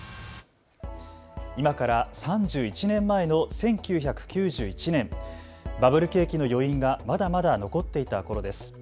今から３１年前の１９９１年、バブル景気の余韻がまだまだ残っていたころです。